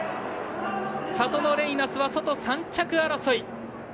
サトノレイナスは外３着争い。